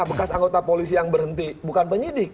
bekas anggota polisi yang berhenti bukan penyidik